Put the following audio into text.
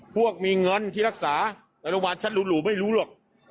พวกมีเงินที่รักษาในโรงพยาบาลชัดหรูไม่รู้หรอก